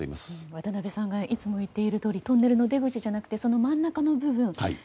渡辺さんがいつも言っているとおりトンネルの出口じゃなくてその真ん中の部分。